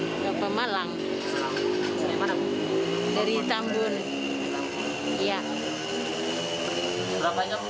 kenapa mudik hari ini pak